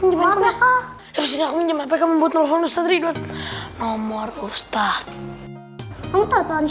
ya allah aku mau apa apa membuat nomor ustadz